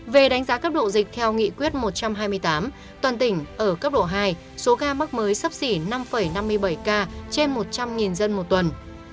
về đánh giá cấp độ dịch theo nghị quyết một trăm hai mươi tám toàn tỉnh ở cấp độ hai số ca mắc mới sắp xỉ năm năm mươi bảy ca trên một trăm linh dân một tuần